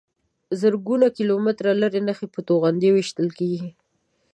زرګونه کیلومتره لرې نښې په توغندیو ویشتل کېږي.